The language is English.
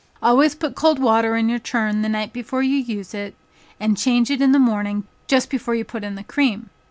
Always put cold water in your churn the night before you use it, and change it in the morning just before you put in the cream.